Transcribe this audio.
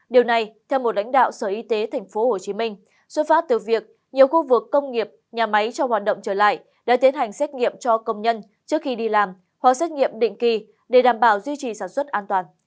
điều này theo một lãnh đạo sở y tế tp hcm xuất phát từ việc nhiều khu vực công nghiệp nhà máy cho hoạt động trở lại đã tiến hành xét nghiệm cho công nhân trước khi đi làm hoặc xét nghiệm định kỳ để đảm bảo duy trì sản xuất an toàn